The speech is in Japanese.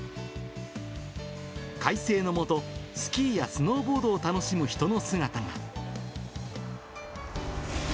快晴の下、スキーやスノーボードを楽しむ人の姿が。